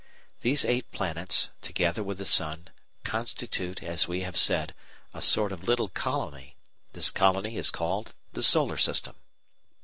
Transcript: These eight planets, together with the sun, constitute, as we have said, a sort of little colony; this colony is called the Solar System.